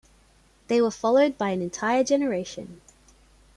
They were followed by an entire generation.